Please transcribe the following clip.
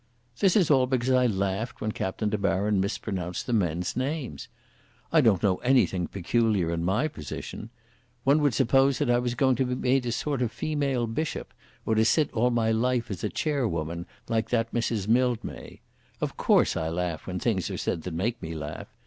"This is all because I laughed when Captain De Baron mispronounced the men's names. I don't know anything peculiar in my position. One would suppose that I was going to be made a sort of female bishop, or to sit all my life as a chairwoman, like that Miss Mildmay. Of course I laugh when things are said that make me laugh.